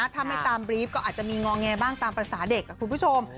ถ้าไม่ตามบรีฟก็อาจจะมีงอแงบ้างตามภาษาเด็กคุณผู้ชม